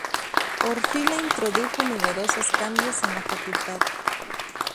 Orfila introdujo numerosos cambios en la Facultad.